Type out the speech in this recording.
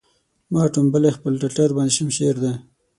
ما ټومبلی خپل ټټر باندې شمشېر دی